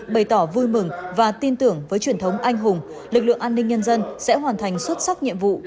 bày tỏ vui mừng và tin tưởng với truyền thống anh hùng lực lượng an ninh nhân dân sẽ hoàn thành xuất sắc nhiệm vụ